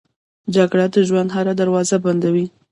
جګړه د ژوند هره دروازه بندوي